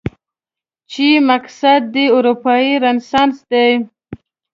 چې مقصد دې اروپايي رنسانس دی؟